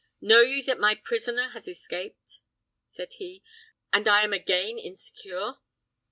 "Know ye that my prisoner has escaped," said he, "and I am again insecure?"